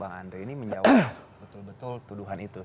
bang andre ini menjawab betul betul tuduhan itu